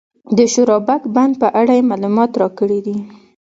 د شورابک بند په اړه یې معلومات راکړي دي.